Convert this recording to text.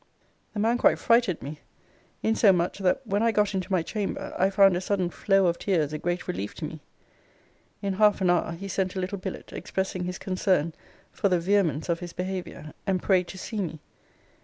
The man quite frighted me; insomuch, that when I got into my chamber, I found a sudden flow of tears a great relief to me. In half an hour, he sent a little billet, expressing his concern for the vehemence of his behaviour, and prayed to see me.